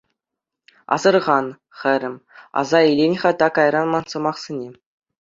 Асӑрхан, хӗрӗм, аса илӗн-ха та кайран ман сӑмахсене.